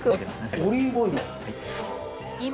オリーブオイルを？